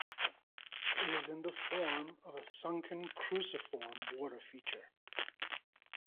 It is in the form of a sunken cruciform water-feature.